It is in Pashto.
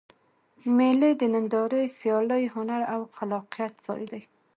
مېلې د نندارې، سیالۍ، هنر او خلاقیت ځای دئ.